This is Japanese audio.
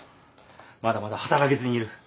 まだまだ働けずにいる。